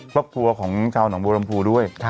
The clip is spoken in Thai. พวกครัวของเจ้าน๋องโบรมพูด้วย